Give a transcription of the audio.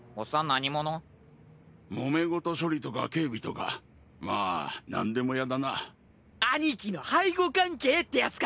何者もめ事処理とか警備とかまあなんでも兄貴の背後関係ってやつか！